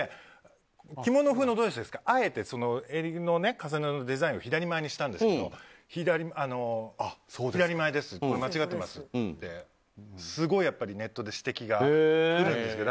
着物風のドレスですからあえて、襟の重ねのデザインを左前にしたんですけど、これ左前です、間違ってますってすごいネットで指摘がきたんですけど。